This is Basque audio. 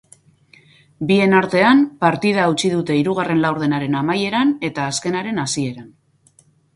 Bien artean, partida hautsi dute hirugarren laurdenaren amaieran eta azkenaren hasieran.